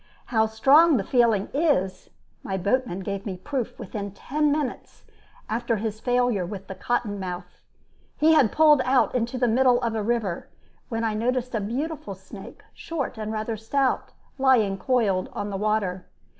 How strong the feeling is my boatman gave me proof within ten minutes after his failure with the cotton mouth. He had pulled out into the middle of the river, when I noticed a beautiful snake, short and rather stout, lying coiled on the water.